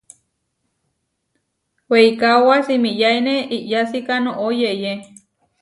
Weikáoba simiyáine iʼyásika noʼó yeʼyé.